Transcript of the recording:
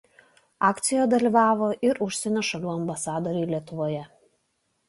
Akcijoje dalyvavo ir užsienio šalių ambasadoriai Lietuvoje.